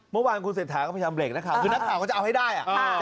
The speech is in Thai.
เมื่อวานคุณเศรษฐาก็พยายามเรกนักข่าวคือนักข่าวก็จะเอาให้ได้